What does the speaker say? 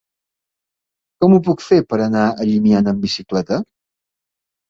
Com ho puc fer per anar a Llimiana amb bicicleta?